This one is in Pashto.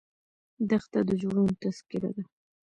دښته د زړونو تذکره ده.